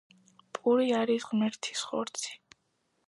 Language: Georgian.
პური არის ღმერთის ხორცი